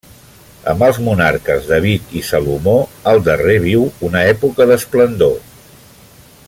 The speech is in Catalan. Amb els monarques David i Salomó, el darrer viu una època d'esplendor.